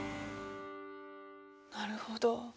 なるほど。